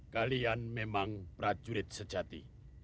kalian memang prajurit sejati